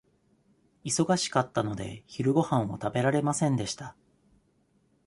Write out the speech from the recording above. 忙しかったので、昼ごはんを食べられませんでした。